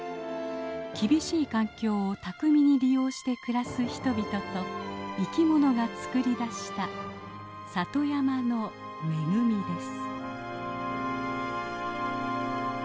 厳しい環境を巧みに利用して暮らす人々と生きものが作り出した里山の恵みです。